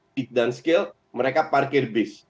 feed dan skill mereka parkir bis